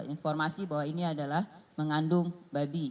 informasi bahwa ini adalah mengandung babi